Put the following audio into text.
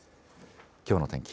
きょうの天気。